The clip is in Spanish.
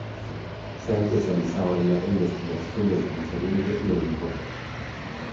Se ha especializado en la investigación del pensamiento y el lenguaje.